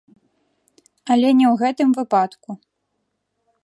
Але не ў гэтым выпадку.